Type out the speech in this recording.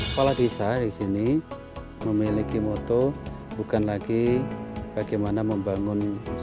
kepala desa disini memiliki moto bukan lagi bagaimana membangunnya